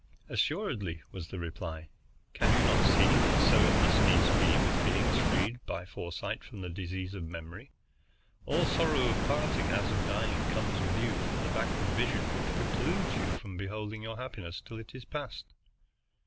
"Assuredly," was the reply. "Can you not see that so it must needs be with beings freed by foresight from the disease of memory? All the sorrow of parting, as of dying, comes with you from the backward vision which precludes you from beholding your happiness till it is past.